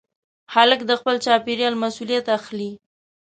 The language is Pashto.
هلک د خپل چاپېریال مسؤلیت اخلي.